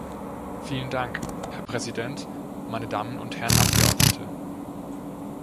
Vielen Dank, Herr Präsident, meine Damen und Herren Abgeordnete.